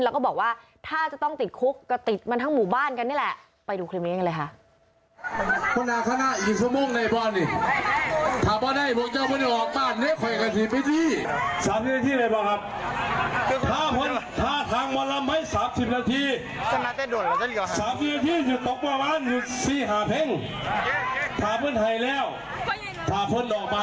แล้วก็บอกว่าถ้าจะต้องติดคุกก็ติดมันทั้งหมู่บ้านกันนี่แหละไปดูคลิปนี้กันเลยค่ะ